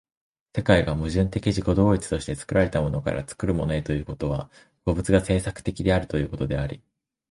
世界が矛盾的自己同一として作られたものから作るものへということは、個物が製作的であるということであり、